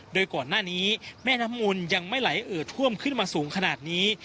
โดยก่อนหน้านี้แม่น้ำมูลยังไม่ไหลเอ่อท่วมขึ้นมาสูงขนาดนี้